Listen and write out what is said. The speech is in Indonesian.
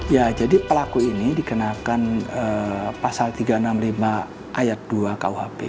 ya jadi pelaku ini dikenakan pasal tiga ratus enam puluh lima ayat dua kuhp